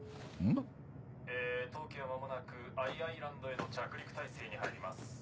え当機は間もなくＩ・アイランドへの着陸態勢に入ります。